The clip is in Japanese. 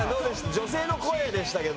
女性の声でしたけど。